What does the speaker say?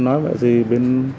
nói vậy thì bên